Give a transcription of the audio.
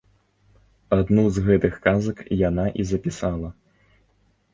Адну з гэтых казак яна і запісала.